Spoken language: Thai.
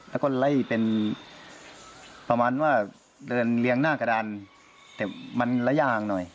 แล้วก็ไล่เป็นประมาณว่าเดินเรียงหน้ากระดานแต่มันระยางหน่อย